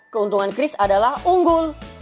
keuntungan chris adalah unggul